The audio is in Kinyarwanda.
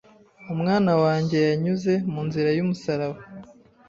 Umwana wanjye yanyuze mu nzira y’umusaraba